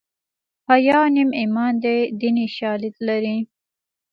حیا نیم ایمان دی دیني شالید لري